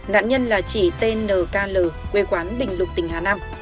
nạn nhân là chị tnkl quê quán bình lục tỉnh hà nam